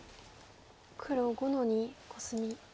黒５の二コスミ。